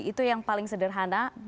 itu yang paling sederhana